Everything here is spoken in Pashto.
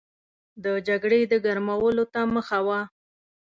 د جګړې د ګرمولو ته مخه وه.